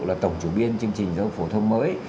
là tổng chủ biên chương trình giáo dục phổ thông mới